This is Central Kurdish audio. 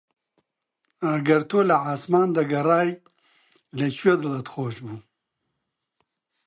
ئەگەر تۆ لە عاسمان دەگەڕای لە کوێ دڵت خۆش بوو؟